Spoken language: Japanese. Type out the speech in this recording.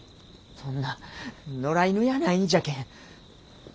そんな野良犬やないんじゃけん。